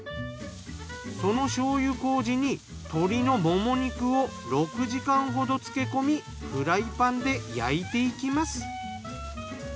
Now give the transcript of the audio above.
その醤油麹に鶏のもも肉を６時間ほど漬け込みフライパンで焼いていきます。